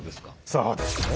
そうですね。